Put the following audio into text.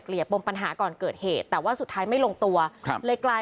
ปมปัญหาก่อนเกิดเหตุแต่ว่าสุดท้ายไม่ลงตัวครับเลยกลาย